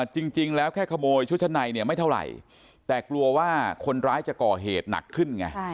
จริงแล้วแค่ขโมยชุดชั้นในเนี่ยไม่เท่าไหร่แต่กลัวว่าคนร้ายจะก่อเหตุหนักขึ้นไง